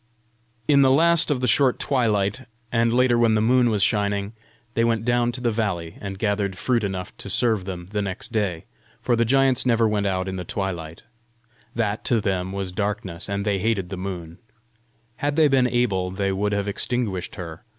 In the last of the short twilight, and later when the moon was shining, they went down to the valley, and gathered fruit enough to serve them the next day; for the giants never went out in the twilight: that to them was darkness; and they hated the moon: had they been able, they would have extinguished her.